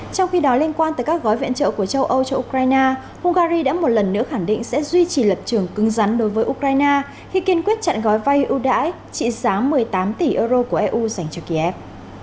trong khi đó liên quan tới các gói viện trợ của châu âu cho ukraine hungary đã một lần nữa khẳng định sẽ duy trì lập trường cứng rắn đối với ukraine khi kiên quyết chặn gói vay ưu đãi trị giá một mươi tám tỷ euro của eu dành cho kiev